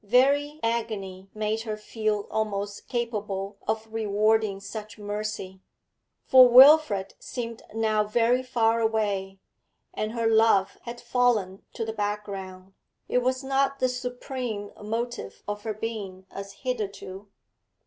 Very agony made her feel almost capable of rewarding such mercy. For Wilfrid seemed now very far away, and her love had fallen to the background; it was not the supreme motive of her being as hitherto.